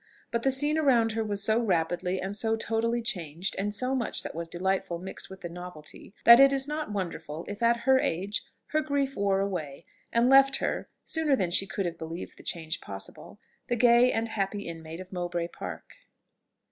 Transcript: But the scene around her was so rapidly and so totally changed, and so much that was delightful mixed with the novelty, that it is not wonderful if at her age her grief wore away, and left her, sooner than she could have believed the change possible, the gay and happy inmate of Mowbray Park.